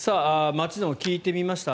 街でも聞いてみました